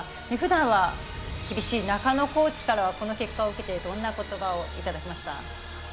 普段は厳しい中野コーチからはこの結果を受けて、どんな言葉をいただきました？